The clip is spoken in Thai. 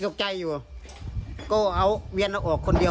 อ๋อตอนแรกก็นึกว่าน้องเค้าเป็นอะไร